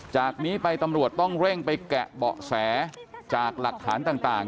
จากนี้ไปตำรวจต้องเร่งไปแกะเบาะแสจากหลักฐานต่าง